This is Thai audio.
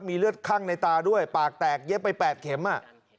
มีเลือดคั่งในตาด้วยปากแตกเย็บไป๘เข็มอ่ะ